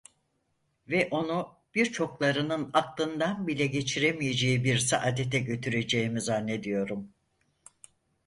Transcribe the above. Ve onu birçoklarının aklından bile geçiremeyeceği bir saadete götüreceğimi zannediyorum.